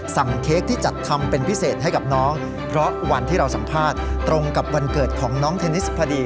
เค้กที่จัดทำเป็นพิเศษให้กับน้องเพราะวันที่เราสัมภาษณ์ตรงกับวันเกิดของน้องเทนนิสพอดี